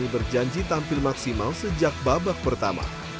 berjanji tampil maksimal sejak babak pertama